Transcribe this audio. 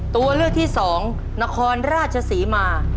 ตัวเลือกที่๒นครราชศรีมา